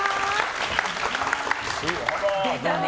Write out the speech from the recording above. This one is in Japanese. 出たね！